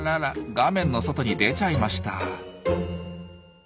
画面の外に出ちゃいました。